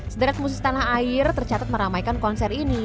sedangkan musuh tanah air tercatat meramaikan konser ini